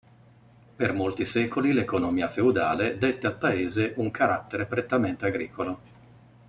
Per molti secoli l'economia feudale dette al paese un carattere prettamente agricolo.